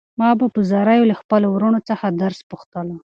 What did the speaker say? ما به په زاریو له خپلو وروڼو څخه درس پوښتلو.